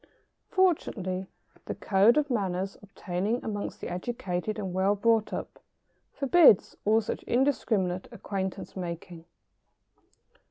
Fortunately, the code of manners obtaining amongst the educated and well brought up forbids all such indiscriminate acquaintance making.